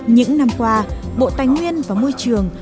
những năm qua bộ tài nguyên và môi trường